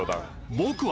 僕は。